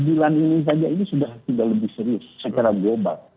sembilan ini saja ini sudah lebih serius secara global